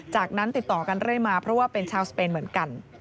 จากนั้นติดต่อกันเรื่อยมาเพราะว่าเป็นชาวสเปนเหมือนกัน